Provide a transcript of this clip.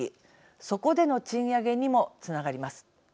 そこでの賃上げにもつながります。